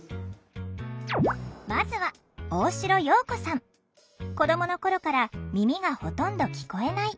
まずは子どもの頃から耳がほとんど聞こえない。